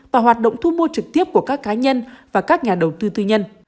và hoạt động thu mua trực tiếp của các cá nhân và các nhà đầu tư tư nhân